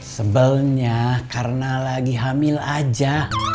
sebelnya karena lagi hamil aja